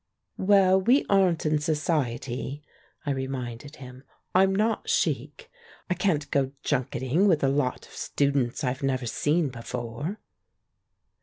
"Well, we aren't in Society," I reminded him. "I'm not chic. I can't go junketing with a lot of students I've never seen before."